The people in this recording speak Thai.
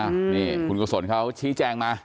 นี่คุณกุศลเขาชี้แจงมา